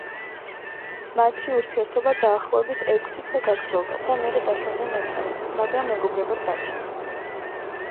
მათი ურთიერთობა დაახლოებით ექვსი თვე გაგრძელდა და მერე დაშორდნენ ერთმანეთს, მაგრამ მეგობრებად დარჩნენ.